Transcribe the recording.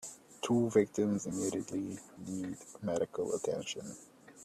Two victims immediately need medical attention.